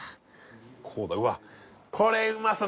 こうだうわっこれうまそう